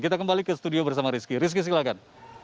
kita kembali ke studio bersama rizky rizky silahkan